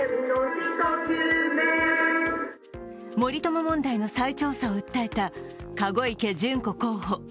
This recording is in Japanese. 森友問題の再調査を訴えた籠池諄子候補。